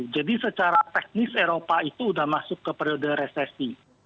jadi secara teknis eropa itu sudah masuk ke periode resesi